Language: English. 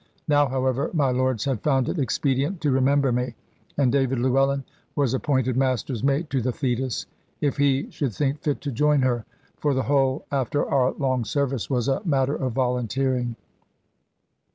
Now, however, my Lords had found it expedient to remember me, and David Llewellyn was appointed master's mate to the Thetis, if he should think fit to join her; for the whole after our long service was a matter of volunteering.